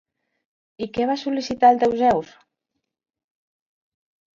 I què va sol·licitar al déu Zeus?